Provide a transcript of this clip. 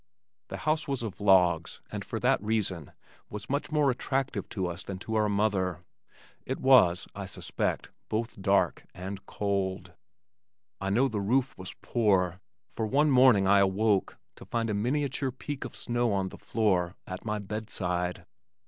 The house was of logs and for that reason was much more attractive to us than to our mother. It was, I suspect, both dark and cold. I know the roof was poor, for one morning I awoke to find a miniature peak of snow on the floor at my bedside.